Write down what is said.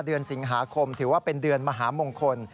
เดือนสิงหาคมถือว่าเป็นเดือนมหามงคล